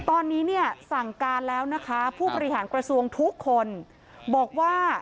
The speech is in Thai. ตอนนี้เนี่ยสั่งการแล้วนะคะผู้บริหารกระทรวงทุกคนบอกว่า